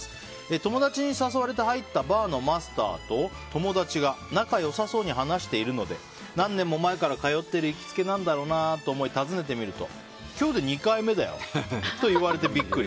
友達に誘われて入ったバーのマスターと友達が仲良さそうに話しているので何年も前から通っている行きつけなんだろうなと思い尋ねてみると今日で２回目だよと言われてビックリ。